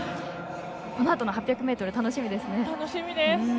このあとの８００ｍ楽しみですね。